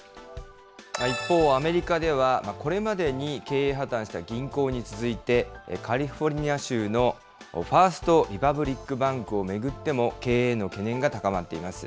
一方、アメリカでは、これまでに経営破綻した銀行に続いて、カリフォルニア州のファースト・リパブリック・バンクを巡っても、経営への懸念が高まっています。